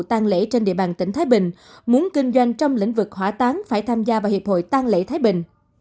tăng lễ trên địa bàn tỉnh thái bình muốn kinh doanh trong lĩnh vực hỏa tán phải tham gia vào hiệp hội tăng lễ thái bình